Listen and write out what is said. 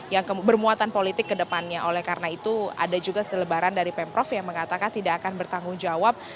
yang bermuatan politik ke depannya oleh karena itu ada juga selebaran dari pemprov yang mengatakan tidak akan bertanggung jawab